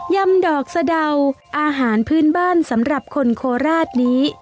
ำดอกสะเดาอาหารพื้นบ้านสำหรับคนโคราชนี้